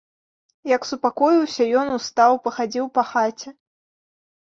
Як супакоіўся, ён устаў, пахадзіў па хаце.